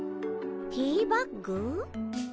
ティーバッグ？